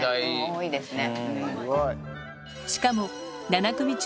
多いですね。